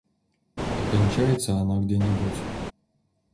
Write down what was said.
А кончается она где-нибудь?